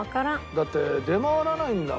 だって出回らないんだもん。